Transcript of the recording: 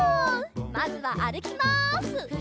まずはあるきます！